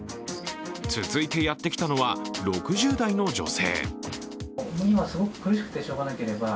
続いてやってきたのは６０代の女性。